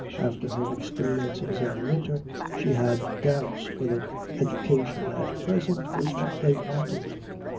After her experiences in the winter she had doubts whether education at present was what they wanted.